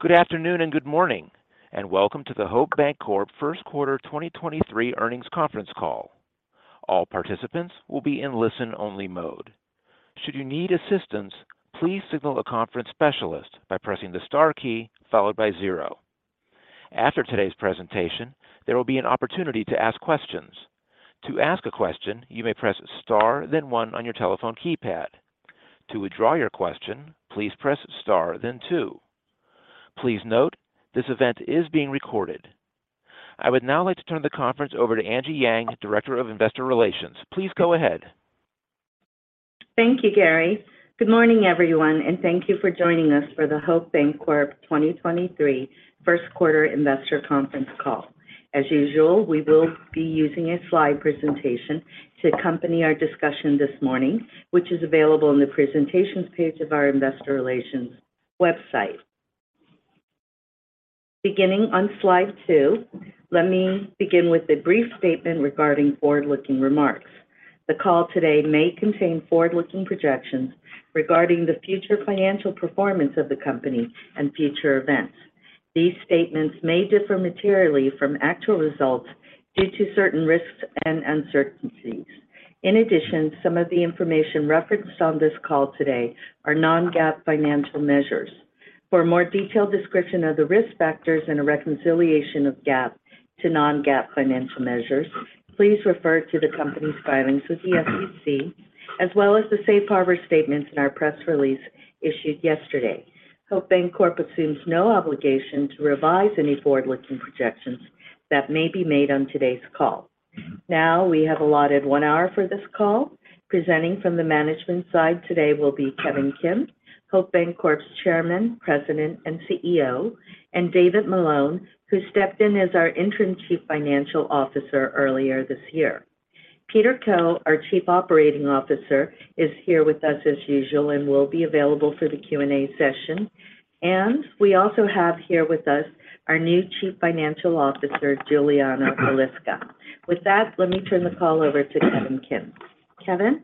Good afternoon and good morning and welcome to the Hope Bancorp first quarter 2023 earnings conference call. All participants will be in listen only mode. Should you need assistance, please signal a conference specialist by pressing the star key followed by zero. After today's presentation, there will be an opportunity to ask questions. To ask a question, you may press star then one on your telephone keypad. To withdraw your question, please press star then two. Please note, this event is being recorded. I would now like to turn the conference over to Angie Yang, Director of Investor Relations. Please go ahead. Thank you, Gary. Good morning everyone, and thank you for joining us for the Hope Bancorp 2023 first quarter investor conference call. As usual, we will be using a slide presentation to accompany our discussion this morning, which is available in the presentations page of our investor relations website. Beginning on slide two, let me begin with a brief statement regarding forward-looking remarks. The call today may contain forward-looking projections regarding the future financial performance of the company and future events. These statements may differ materially from actual results due to certain risks and uncertainties. In addition, some of the information referenced on this call today are non-GAAP financial measures. For a more detailed description of the risk factors and a reconciliation of GAAP to non-GAAP financial measures, please refer to the company's filings with the SEC, as well as the safe harbor statements in our press release issued yesterday. Hope Bancorp assumes no obligation to revise any forward-looking projections that may be made on today's call. Now, we have allotted one hour for this call. Presenting from the management side today will be Kevin Kim, Hope Bancorp's Chairman, President, and CEO, and David Malone who stepped in as our interim Chief Financial Officer earlier this year. Peter Koh, our Chief Operating Officer, is here with us as usual and will be available for the Q&A session. We also have here with us our new Chief Financial Officer, Julianna Balicka. With that, let me turn the call over to Kevin Kim. Kevin?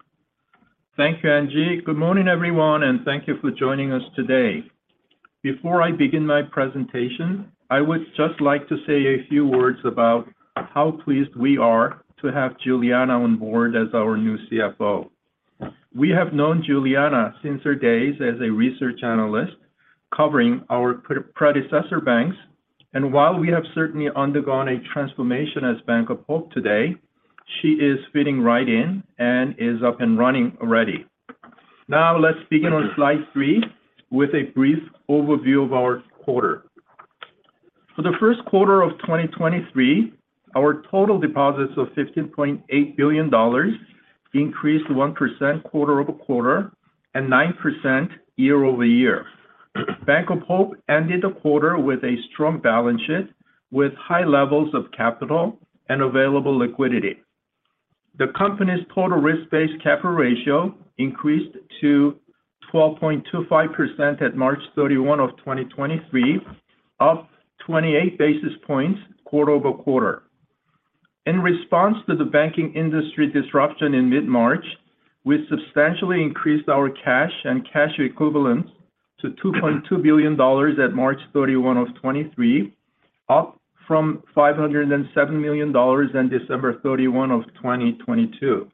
Thank you, Angie. Good morning everyone, thank you for joining us today. Before I begin my presentation, I would just like to say a few words about how pleased we are to have Julianna on board as our new CFO. We have known Julianna since her days as a Research Analyst covering our pre-predecessor banks. While we have certainly undergone a transformation as Bank of Hope today, she is fitting right in and is up and running already. Let's begin on slide three with a brief overview of our quarter. For the first quarter of 2023, our total deposits of $15.8 billion increased 1% quarter-over-quarter and 9% year-over-year. Bank of Hope ended the quarter with a strong balance sheet with high levels of capital and available liquidity. The company's total risk-based capital ratio increased to 12.25% at March 31, 2023, up 28 basis points quarter-over-quarter. In response to the banking industry disruption in mid-March, we substantially increased our cash and cash equivalents to $2.2 billion at March 31, 2023, up from $507 million on December 31, 2022.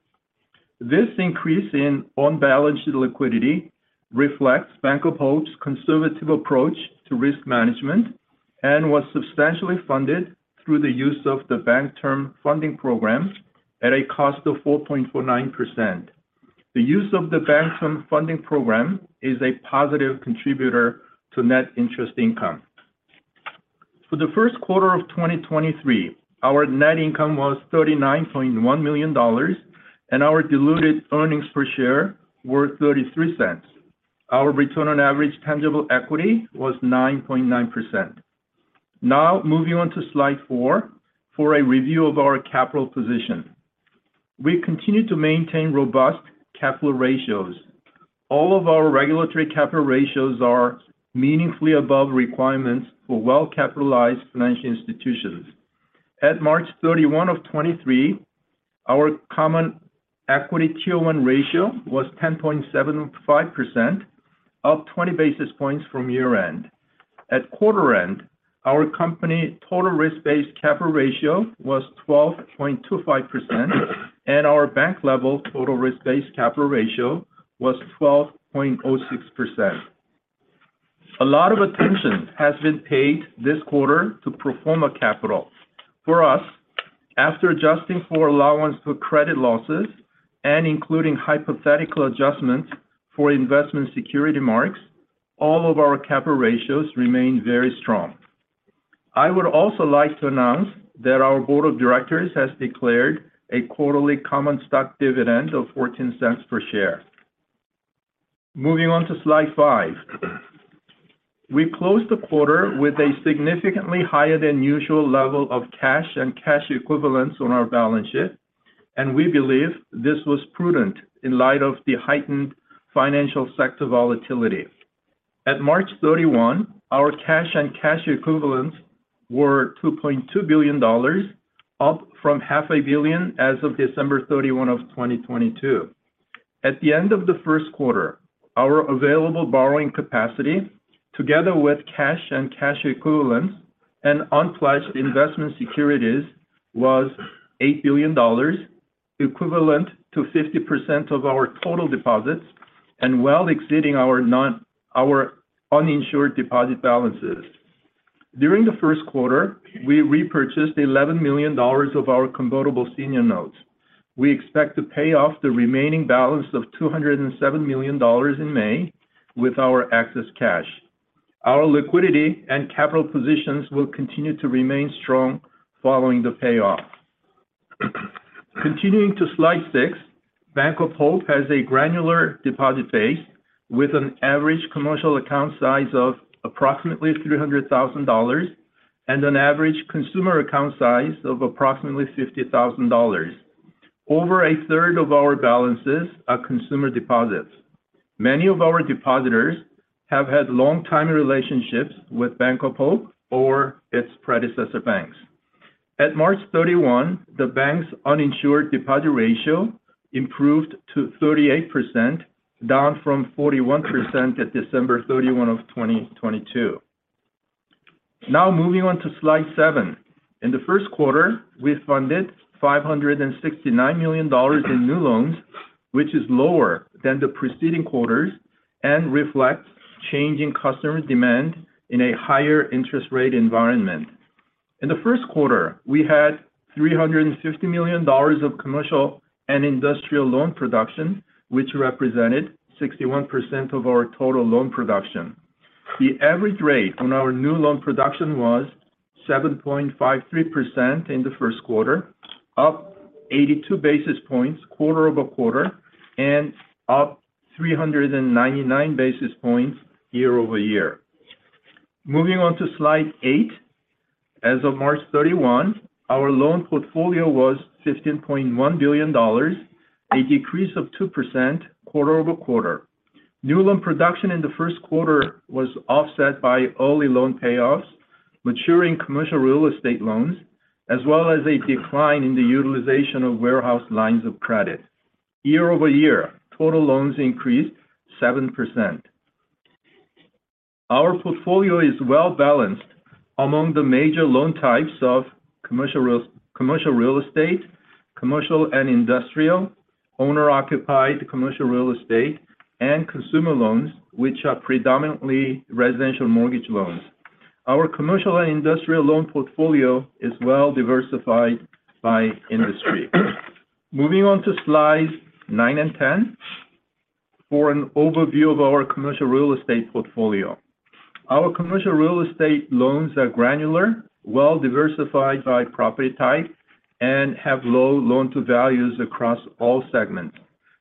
This increase in on-balance sheet liquidity reflects Bank of Hope's conservative approach to risk management and was substantially funded through the use of the Bank Term Funding Program at a cost of 4.49%. The use of the Bank Term Funding Program is a positive contributor to net interest income. For the first quarter of 2023, our net income was $39.1 million, and our diluted earnings per share were $0.33. Our return on average tangible equity was 9.9%. Now moving on to slide 4 for a review of our capital position. We continue to maintain robust capital ratios. All of our regulatory capital ratios are meaningfully above requirements for well-capitalized financial institutions. At March 31, 2023, our common equity Tier 1 ratio was 10.75%, up 20 basis points from year-end. At quarter-end, our company total risk-based capital ratio was 12.25%, and our bank-level total risk-based capital ratio was 12.06%. A lot of attention has been paid this quarter to pro forma capital. For us, after adjusting for Allowance for Credit Losses and including hypothetical adjustments for investment security marks, all of our capital ratios remain very strong. I would also like to announce that our board of directors has declared a quarterly common stock dividend of $0.14 per share. Moving on to slide five. We closed the quarter with a significantly higher than usual level of cash and cash equivalents on our balance sheet. We believe this was prudent in light of the heightened financial sector volatility. At March 31, our cash and cash equivalents were $2.2 billion, up from half a billion as of December 31, 2022. At the end of the first quarter, our available borrowing capacity together with cash and cash equivalents and unpledged investment securities was $8 billion, equivalent to 50% of our total deposits and well exceeding our uninsured deposit balances. During the first quarter, we repurchased $11 million of our convertible senior notes. We expect to pay off the remaining balance of $207 million in May with our excess cash. Our liquidity and capital positions will continue to remain strong following the payoff. Continuing to slide 6, Bank of Hope has a granular deposit base with an average commercial account size of approximately $300,000 and an average consumer account size of approximately $50,000. Over a third of our balances are consumer deposits. Many of our depositors have had long-time relationships with Bank of Hope or its predecessor banks. At March 31, the bank's uninsured deposit ratio improved to 38%, down from 41% at December 31, 2022. Now moving on to slide 7. In the first quarter, we funded $569 million in new loans, which is lower than the preceding quarters and reflects changing customer demand in a higher interest rate environment. In the first quarter, we had $350 million of commercial and industrial loan production, which represented 61% of our total loan production. The average rate on our new loan production was 7.53% in the first quarter, up 82 basis points quarter-over-quarter and up 399 basis points year-over-year. Moving on to slide eight. As of March 31, our loan portfolio was $15.1 billion, a decrease of 2% quarter-over-quarter. New loan production in the first quarter was offset by early loan payoffs, maturing commercial real estate loans, as well as a decline in the utilization of warehouse lines of credit. Year-over-year, total loans increased 7%. Our portfolio is well-balanced among the major loan types of commercial real estate, commercial and industrial, owner-occupied commercial real estate, and consumer loans, which are predominantly residential mortgage loans. Our commercial and industrial loan portfolio is well diversified by industry. Moving on to slides nine and 10 for an overview of our commercial real estate portfolio. Our commercial real estate loans are granular, well-diversified by property type, and have low loan-to-values across all segments.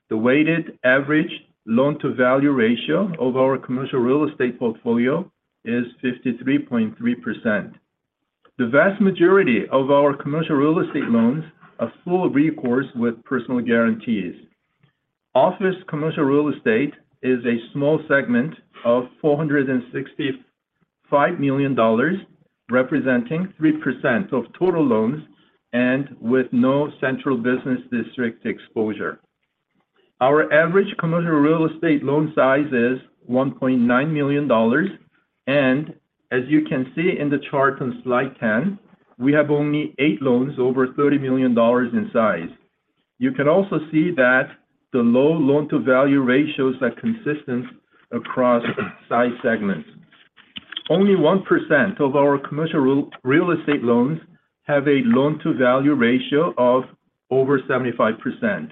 The weighted average loan-to-value ratio of our commercial real estate portfolio is 53.3%. The vast majority of our commercial real estate loans are full recourse with personal guarantees. Office commercial real estate is a small segment of $465 million, representing 3% of total loans and with no central business district exposure. Our average commercial real estate loan size is $1.9 million, and as you can see in the chart on slide 10, we have only eight loans over $30 million in size. You can also see that the low loan-to-value ratios are consistent across size segments. Only 1% of our commercial real estate loans have a loan-to-value ratio of over 75%.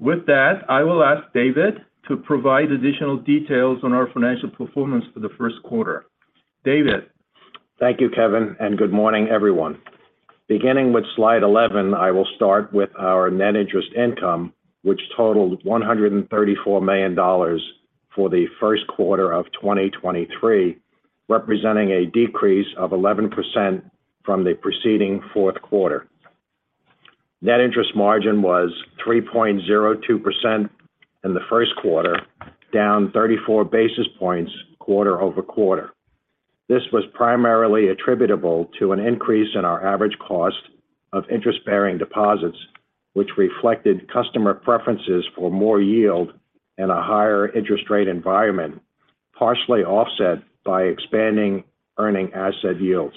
With that, I will ask David to provide additional details on our financial performance for the first quarter. David. Thank you Kevin, and good morning, everyone. Beginning with slide 11, I will start with our net interest income, which totaled $134 million for the first quarter of 2023, representing a decrease of 11% from the preceding fourth quarter. Net interest margin was 3.02% in the first quarter, down 34 basis points quarter-over-quarter. This was primarily attributable to an increase in our average cost of interest-bearing deposits, which reflected customer preferences for more yield in a higher interest rate environment, partially offset by expanding earning asset yields.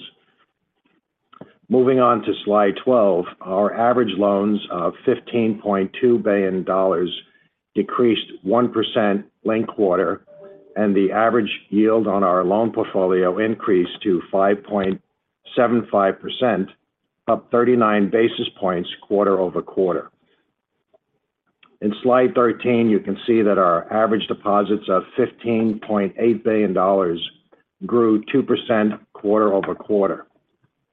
Moving on to slide 12, our average loans of $15.2 billion decreased 1% linked quarter, and the average yield on our loan portfolio increased to 5.75%, up 39 basis points quarter-over-quarter. In slide 13, you can see that our average deposits of $15.8 billion grew 2% quarter-over-quarter.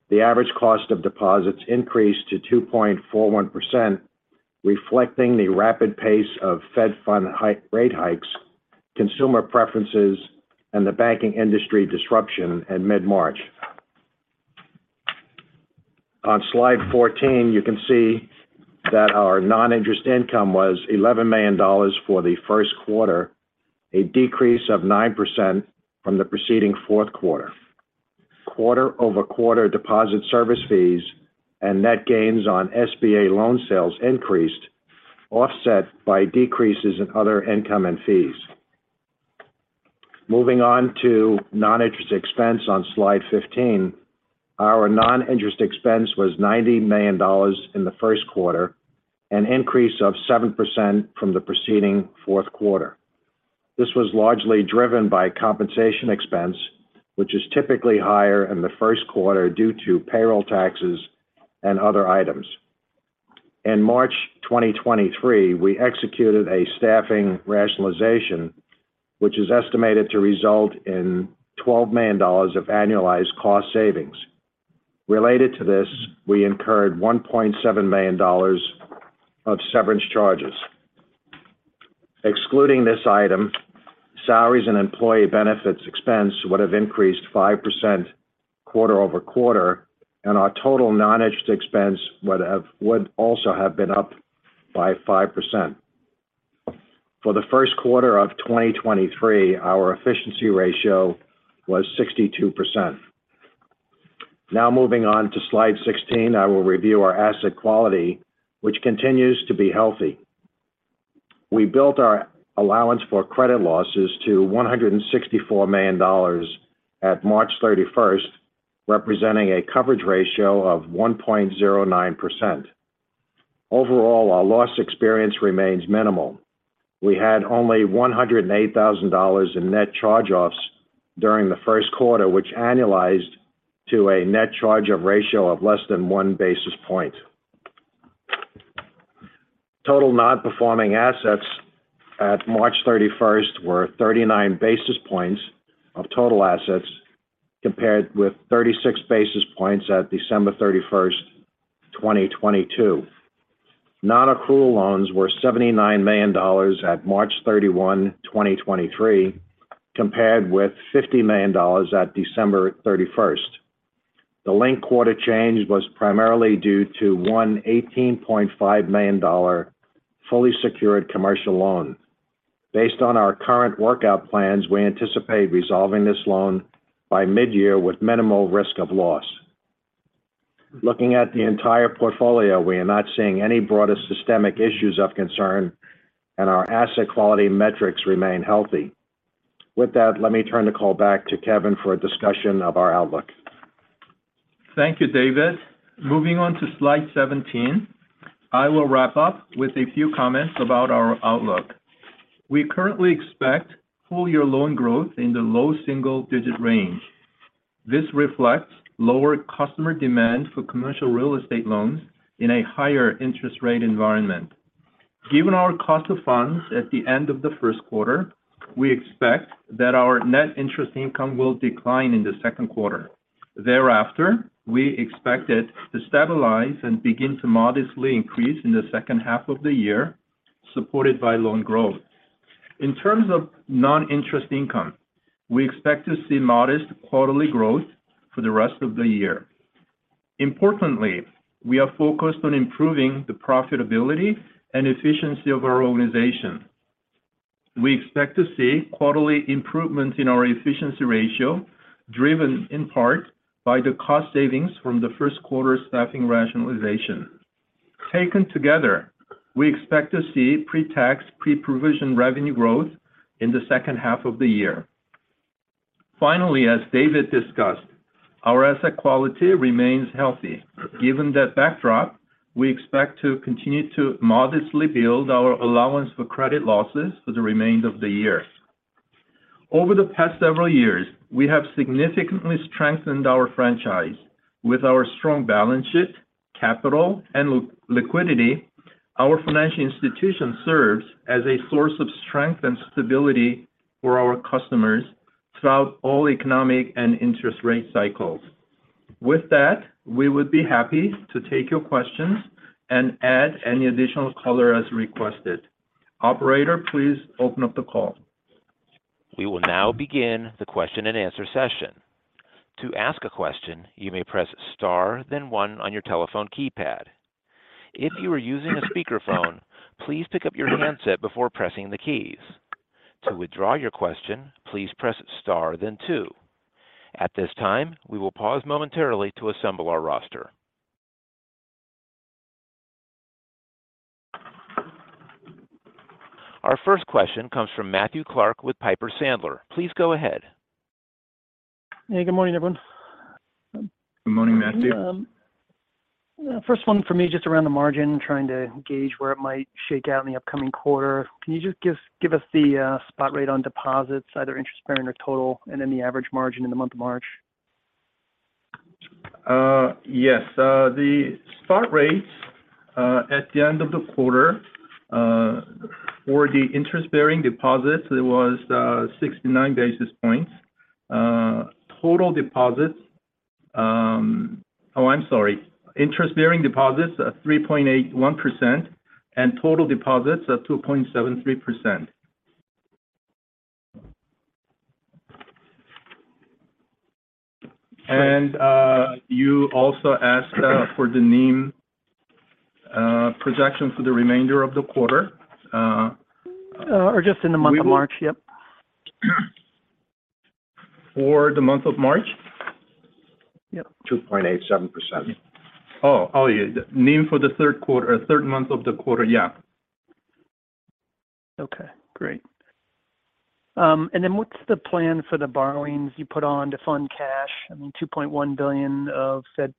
The average cost of deposits increased to 2.41%, reflecting the rapid pace of Fed Fund rate hikes, consumer preferences, and the banking industry disruption in mid-March. On slide 14, you can see that our non-interest income was $11 million for the first quarter, a decrease of 9% from the preceding fourth quarter. Quarter-over-quarter deposit service fees and net gains on SBA loan sales increased, offset by decreases in other income and fees. Moving on to non-interest expense on slide 15. Our non-interest expense was $90 million in the first quarter, an increase of 7% from the preceding fourth quarter. This was largely driven by compensation expense, which is typically higher in the first quarter due to payroll taxes and other items. In March 2023, we executed a staffing rationalization, which is estimated to result in $12 million of annualized cost savings. Related to this, we incurred $1.7 million of severance charges. Excluding this item, salaries and employee benefits expense would also have been up by 5% quarter-over-quarter, and our total non-interest expense would also have been up by 5%. For the first quarter of 2023, our efficiency ratio was 62%. Moving on to slide 16, I will review our asset quality which continues to be healthy. We built our Allowance for Credit Losses to $164 million at March 31st, representing a coverage ratio of 1.09%. Overall, our loss experience remains minimal. We had only $108,000 in net charge-offs during the first quarter, which annualized to a net charge-off ratio of less than 1 basis point. Total non-performing assets at March 31st were 39 basis points of total assets, compared with 36 basis points at December 31st, 2022. Non-accrual loans were $79 million at March 31, 2023, compared with $50 million at December 31st. The linked quarter change was primarily due to one $18.5 million fully secured commercial loan. Based on our current workout plans, we anticipate resolving this loan by mid-year with minimal risk of loss. Looking at the entire portfolio, we are not seeing any broader systemic issues of concern, and our asset quality metrics remain healthy. With that, let me turn the call back to Kevin for a discussion of our outlook. Thank you, David. Moving on to slide 17. I will wrap up with a few comments about our outlook. We currently expect full year loan growth in the low single-digit range. This reflects lower customer demand for commercial real estate loans in a higher interest rate environment. Given our cost of funds at the end of the first quarter, we expect that our net interest income will decline in the second quarter. Thereafter, we expect it to stabilize and begin to modestly increase in the second half of the year, supported by loan growth. In terms of non-interest income, we expect to see modest quarterly growth for the rest of the year. Importantly, we are focused on improving the profitability and efficiency of our organization. We expect to see quarterly improvements in our efficiency ratio, driven in part by the cost savings from the first quarter staffing rationalization. Taken together, we expect to see pre-tax, pre-provision revenue growth in the second half of the year. As David discussed, our asset quality remains healthy. Given that backdrop, we expect to continue to modestly build our allowance for credit losses for the remainder of the year. Over the past several years, we have significantly strengthened our franchise. With our strong balance sheet, capital, and liquidity, our financial institution serves as a source of strength and stability for our customers throughout all economic and interest rate cycles. We would be happy to take your questions and add any additional color as requested. Operator, please open up the call. We will now begin the question and answer session. To ask a question, you may press star then one on your telephone keypad. If you are using a speakerphone, please pick up your handset before pressing the keys. To withdraw your question, please press star then two. At this time, we will pause momentarily to assemble our roster. Our first question comes from Matthew Clark with Piper Sandler. Please go ahead. Hey, good morning, everyone. Good morning, Matthew. First one for me, just around the margin, trying to gauge where it might shake out in the upcoming quarter. Can you just give us the spot rate on deposits, either interest-bearing or total, and then the average margin in the month of March? Yes. The spot rates at the end of the quarter, for the interest-bearing deposits, it was 69 basis points. Total deposits. Oh, I'm sorry. Interest-bearing deposits are 3.81%, and total deposits are 2.73%. You also asked for the NIM. Projections for the remainder of the quarter. Just in the month of March. Yep. For the month of March? Yep. Two point eight seven percent. Oh, yeah. NIM for the third quarter, third month of the quarter. Yeah. Okay, great. What's the plan for the borrowings you put on to fund cash? I mean, $2.1 billion of said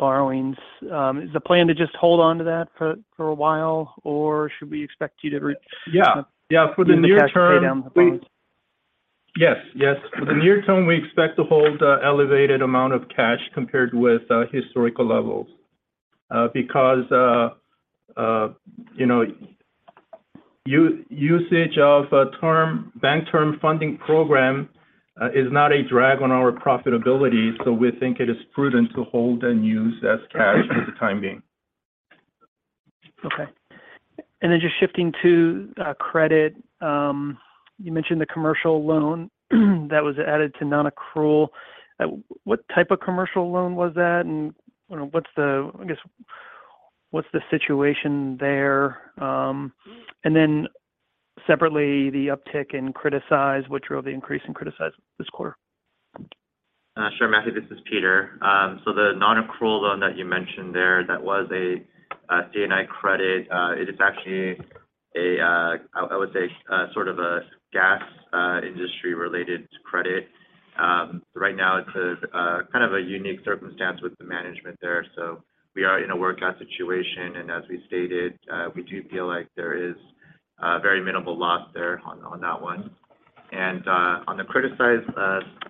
borrowings. Is the plan to just hold onto that for a while, or should we expect you to re-? Yeah. Yeah. For the near term- Use the cash to pay down the borrowings? Yes. Yes. For the near term, we expect to hold an elevated amount of cash compared with historical levels. Because, you know, usage of Bank Term Funding Program is not a drag on our profitability, so we think it is prudent to hold and use as cash for the time being. Just shifting to credit. You mentioned the commercial loan that was added to non-accrual. What type of commercial loan was that? You know, what's the, I guess, what's the situation there? Separately, the uptick in criticized, what drove the increase in criticized this quarter? Sure Matthew, this is Peter. The non-accrual loan that you mentioned there, that was a C&I credit. It is actually, I would say, sort of a gas industry related credit. Right now it's a kind of a unique circumstance with the management there. We are in a workout situation, and as we stated, we do feel like there is a very minimal loss there on that one. On the criticized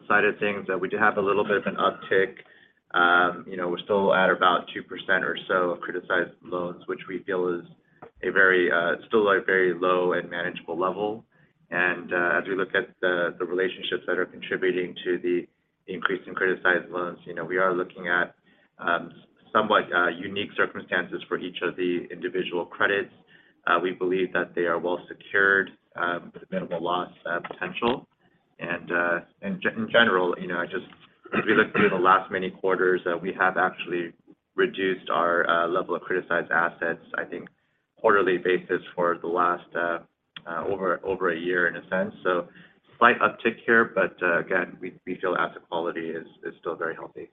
side of things, we do have a little bit of an uptick. You know, we're still at about 2% or so of criticized loans, which we feel is a very still a very low and manageable level. As we look at the relationships that are contributing to the increase in criticized loans, you know, we are looking at, somewhat unique circumstances for each of the individual credits. We believe that they are well secured, with minimal loss potential. In general, you know, just if you look through the last many quarters, we have actually reduced our level of criticized assets, I think quarterly basis for the last over a year in a sense. Slight uptick here, but again, we feel asset quality is still very healthy.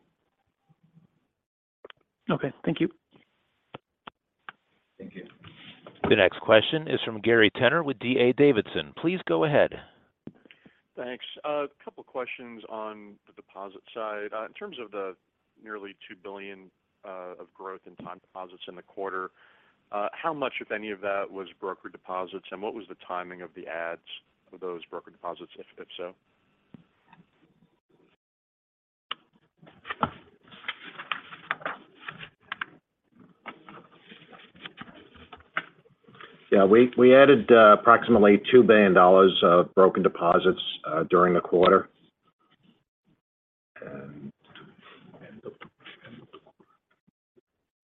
Okay. Thank you. Thank you. The next question is from Gary Tenner with D.A. Davidson. Please go ahead. Thanks. A couple questions on the deposit side. In terms of the nearly $2 billion of growth in time deposits in the quarter, how much, if any of that, was broker deposits, and what was the timing of the adds for those broker deposits, if so? Yeah. We added approximately $2 billion of broker deposits during the quarter.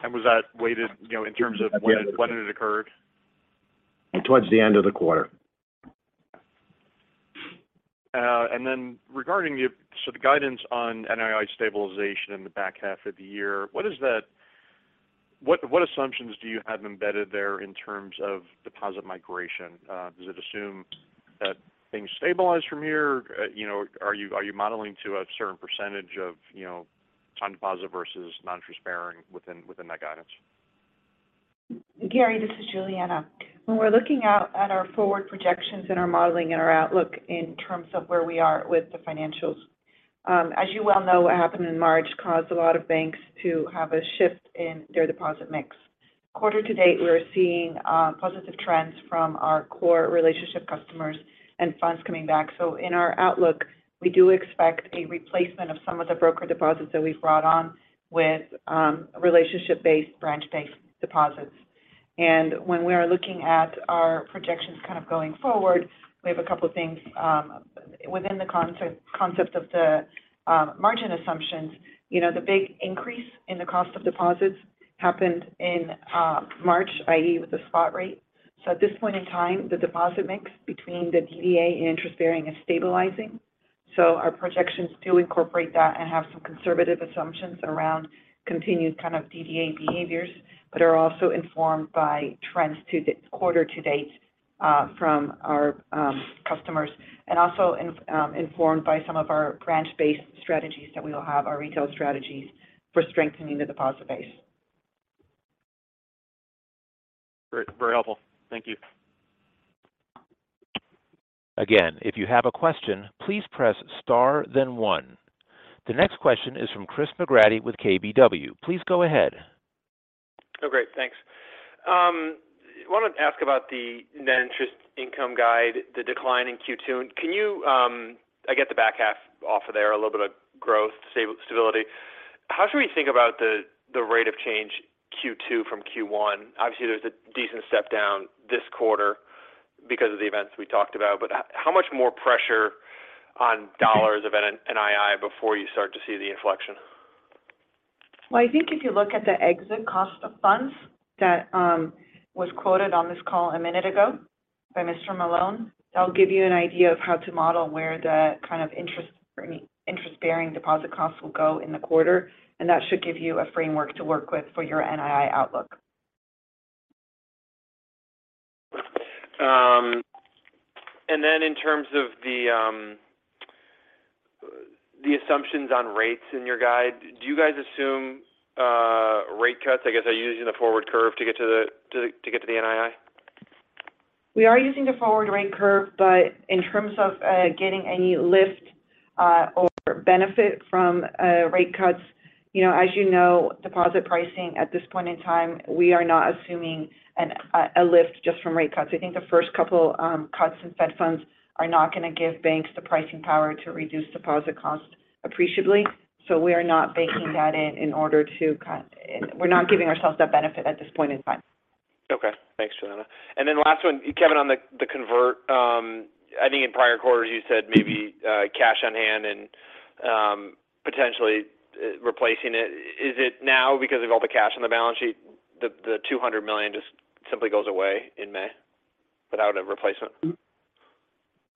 Was that weighted, you know, in terms of when it - when it occurred? Towards the end of the quarter. Regarding the guidance on NII stabilization in the back half of the year, what assumptions do you have embedded there in terms of deposit migration? Does it assume that things stabilize from here? You know, are you modeling to a certain percentage of, you know, time deposit versus non-interest bearing within that guidance? Gary, this is Julianna. When we're looking out at our forward projections and our modeling and our outlook in terms of where we are with the financials, as you well know, what happened in March caused a lot of banks to have a shift in their deposit mix. Quarter to date, we are seeing positive trends from our core relationship customers and funds coming back. In our outlook, we do expect a replacement of some of the broker deposits that we've brought on with relationship-based, branch-based deposits. When we are looking at our projections kind of going forward, we have a couple things within the concept of the margin assumptions. You know, the big increase in the cost of deposits happened in March, i.e., with the spot rate. At this point in time the deposit mix between the DDA and interest bearing is stabilizing. Our projections do incorporate that and have some conservative assumptions around continued kind of DDA behaviors but are also informed by trends to the quarter to date from our customers. Also informed by some of our branch-based strategies that we will have, our retail strategies for strengthening the deposit base. Great. Very helpful. Thank you. Again, if you have a question please press star then one. The next question is from Chris McGratty with KBW. Please go ahead. Great. Thanks. Wanted to ask about the net interest income guide, the decline in Q2. Can you, I get the back half off of there, a little bit of growth stability? How should we think about the rate of change Q2 from Q1? Obviously, there's a decent step down this quarter because of the events we talked about, but how much more pressure on dollars of NII before you start to see the inflection? Well, I think if you look at the exit cost of funds that was quoted on this call a minute ago by Mr. Malone. That'll give you an idea of how to model where the kind of interest, I mean interest-bearing deposit costs will go in the quarter and that should give you a framework to work with for your NII outlook. In terms of the assumptions on rates in your guide, do you guys assume rate cuts are used in the forward curve to get to the NII? We are using the forward rate curve. In terms of getting any lift or benefit from rate cuts, you know, as you know, deposit pricing at this point in time, we are not assuming a lift just from rate cuts. I think the first couple cuts in Fed funds are not gonna give banks the pricing power to reduce deposit costs appreciably. We are not baking that in in order to cut. We're not giving ourselves that benefit at this point in time. Okay. Thanks, Julianna. Last one, Kevin on the convert, I think in prior quarters you said maybe cash on hand and potentially replacing it. Is it now because of all the cash on the balance sheet, the $200 million just simply goes away in May without a replacement?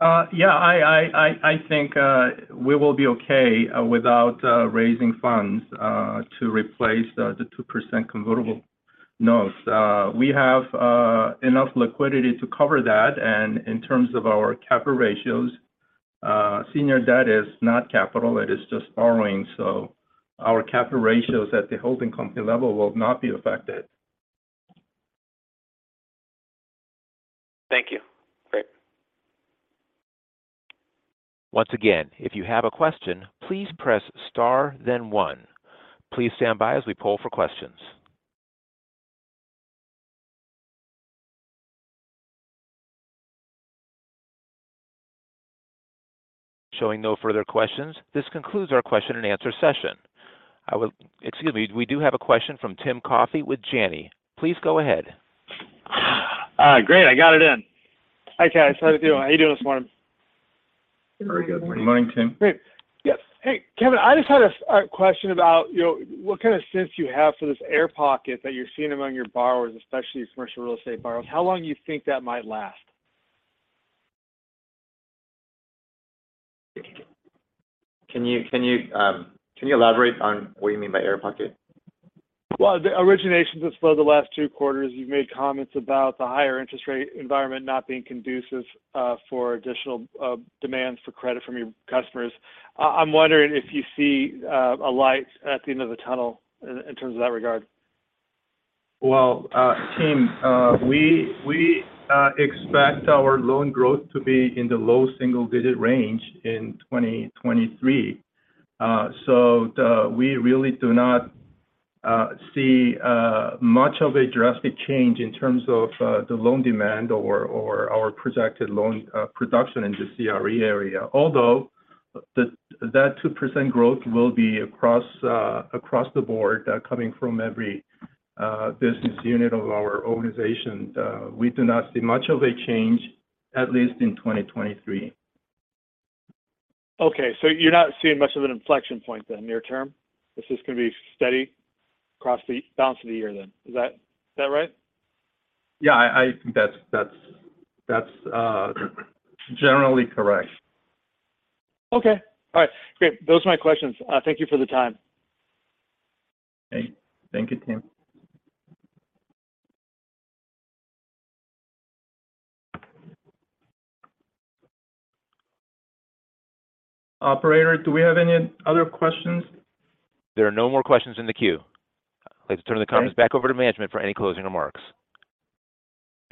Yeah. I think we will be okay without raising funds to replace the 2% convertible notes. We have enough liquidity to cover that. In terms of our capital ratios, senior debt is not capital, it is just borrowing. Our capital ratios at the holding company level will not be affected. Thank you. Great. Once again, if you have a question, please press star then one. Please stand by as we poll for questions. Showing no further questions. This concludes our question and answer session. Excuse me. We do have a question from Tim Coffey with Janney. Please go ahead. Great. I got it in. Hi, guys. How are you doing? How are you doing this morning? Very good. Morning, Tim. Great. Yes. Hey Kevin, I just had a question about, you know, what kind of sense you have for this air pocket that you're seeing among your borrowers, especially commercial real estate borrowers. How long do you think that might last? Can you elaborate on what you mean by air pocket? Well, the originations have slowed the last two quarters. You've made comments about the higher interest rate environment not being conducive for additional demands for credit from your customers. I'm wondering if you see a light at the end of the tunnel in terms of that regard? Well Tim, we expect our loan growth to be in the low single digit range in 2023. We really do not see much of a drastic change in terms of the loan demand or our projected loan production in the CRE area. That 2% growth will be across the board, coming from every business unit of our organization. We do not see much of a change, at least in 2023. Okay. You're not seeing much of an inflection point then near term? This is going to be steady across the balance of the year then. Is that right? Yeah, I think that's generally correct. Okay. All right. Great. Those are my questions. Thank you for the time. Okay. Thank you, Tim. Operator, do we have any other questions? There are no more questions in the queue. I'd like to turn the conference back over to management for any closing remarks.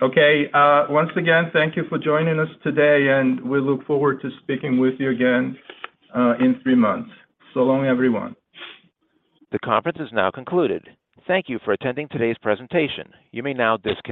Okay. Once again, thank you for joining us today, and we look forward to speaking with you again in three months. So long, everyone. The conference is now concluded. Thank you for attending today's presentation. You may now disconnect.